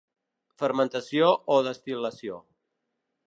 Fermentació o destil·lació.